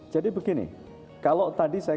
jadi begini kalau tadi saya